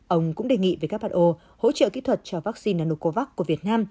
ông cũng đề nghị who hỗ trợ kỹ thuật cho vaccine nanocovax của việt nam